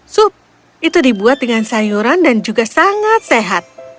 sup itu dibuat dengan sayuran dan juga sangat sehat